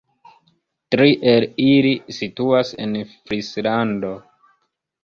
Tri el ili situas en Frislando.